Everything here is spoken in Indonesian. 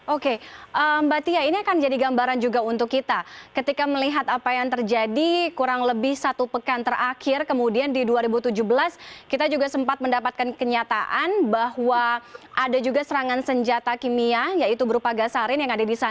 oke mbak tia ini akan jadi gambaran juga untuk kita ketika melihat apa yang terjadi kurang lebih satu pekan terakhir kemudian di dua ribu tujuh belas kita juga sempat mendapatkan kenyataan bahwa ada juga serangan senjata kimia yaitu berupa gasarin yang ada di sana